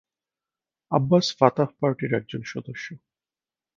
Abbas Fatah পার্টির একজন সদস্য।